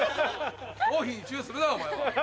頭皮にチュするなお前は。